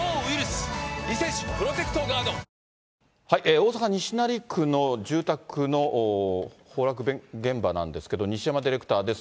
大阪・西成区の住宅の崩落現場なんですけれども、西山ディレクターです。